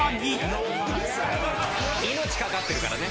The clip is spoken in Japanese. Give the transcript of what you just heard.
命懸かってるからね。